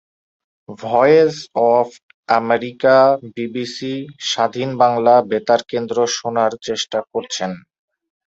Voice of America, BBC, Swadhin Bangla Betar Kendra শোনার চেষ্টা করছেন।